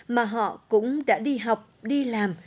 mà họ cũng đã đi học đi làm